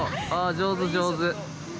上手上手。